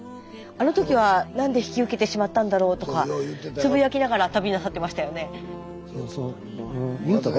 あの時は何で引き受けてしまったんだろうとかつぶやきながら旅なさってましたよね。